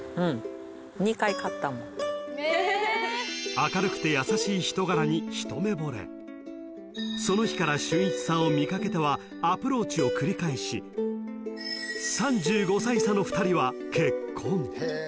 ［明るくて優しい人柄に］［その日から俊一さんを見掛けてはアプローチを繰り返し３５歳差の２人は結婚］